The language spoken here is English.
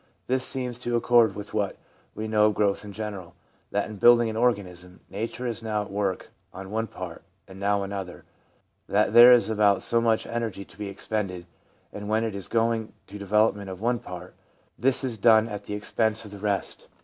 This seems to accord with what we know of growth in general, that in building an organism Nature is now at work on one part and now on another ; that there is about so much energy to be expended, and when it is going to the development of one part, this is done at the expense of the rest.